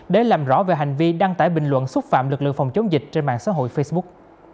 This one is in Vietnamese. để làm rõ về hành vi đăng tải bình luận xúc phạm lực lượng phòng chống dịch trên mạng xã hội facebook